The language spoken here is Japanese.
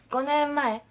５年前。